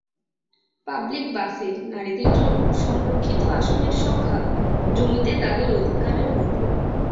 Public বাসে নারীদের জন্য সংরক্ষিত আসনের সংখ্যা জমিতে তাদের অধিকারের মতোই।